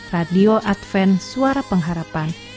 radio advent suara pengharapan